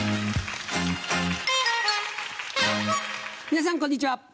皆さんこんにちは。